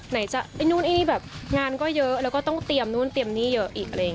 นู่นอย่างนี้งานก็เยอะแล้วก็ต้องเตรียมนู่นเตรียมนี่เยอะอีก